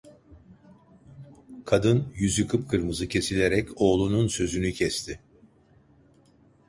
Kadın, yüzü kıpkırmızı kesilerek, oğlunun sözünü kesti.